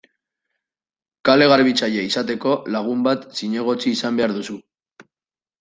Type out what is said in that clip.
Kale-garbitzaile izateko, lagun bat zinegotzi izan behar duzu.